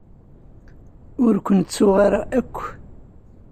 Ur ken-ttuɣ ara akk.